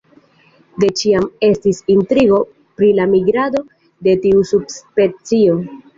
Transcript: De ĉiam estis intrigo pri la migrado de tiu subspecio.